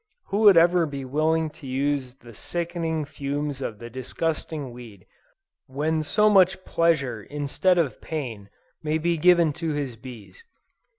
Who would ever be willing to use the sickening fumes of the disgusting weed, when so much pleasure instead of pain may be given to his bees.